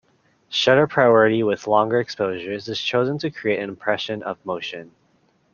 Shutter priority with longer exposures is chosen to create an impression of motion.